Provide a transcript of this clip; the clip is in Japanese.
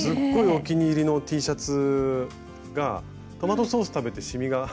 お気に入りのＴシャツがトマトソース食べてしみが。